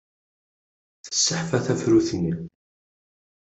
Tesseḥfa tafrut-nni.